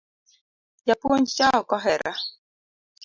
Japuonj cha ok ohera